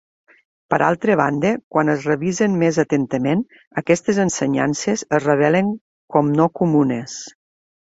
Per altra banda, quan es revisen més atentament, aquestes ensenyances es revelen com no comunes.